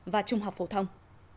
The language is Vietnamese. và trung học phổ thông